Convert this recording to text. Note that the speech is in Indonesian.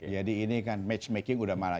jadi ini kan matchmaking udah malah